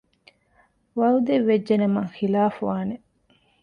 ވަޢުދެއްވެއްޖެނަމަ ޚިލާފުވާނެ